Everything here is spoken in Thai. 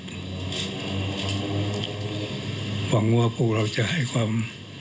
หวังว่าพวกเราจะให้ความ